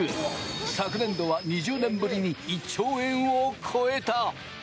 昨年度は２０年ぶりに１兆円を超えた。